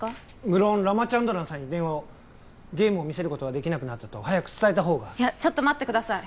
むろんラマチャンドランさんに電話をゲームを見せることができなくなったと早く伝えたほうがいやちょっと待ってください